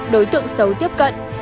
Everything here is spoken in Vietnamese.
đối tượng xấu tiếp cận